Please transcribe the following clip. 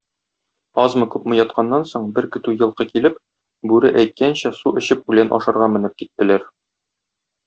Азмы-күпме ятканнан соң, бер көтү елкы килеп, бүре әйткәнчә су эчеп үлән ашарга менеп киттеләр.